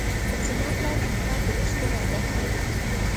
زما پلار د کتاب د لوستلو عادت لري.